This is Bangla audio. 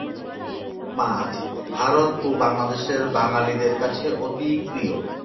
মাছ ভারত ও বাংলাদেশের বাঙালিদের কাছে অতি প্রিয়।